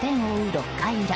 ６回裏。